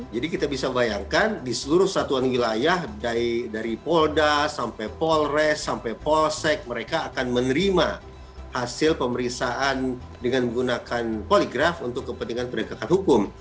jadi kita bisa bayangkan di seluruh satuan wilayah dari polda sampai polres sampai polsek mereka akan menerima hasil pemeriksaan dengan menggunakan poligraf untuk kepentingan peringkatan hukum